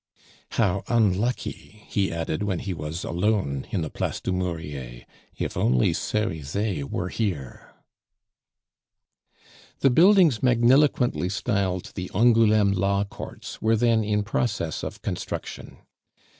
How unlucky!" he added, when he was alone in the Place du Murier. "If only Cerizet were here " The buildings magniloquently styled the Angouleme Law Courts were then in process of construction.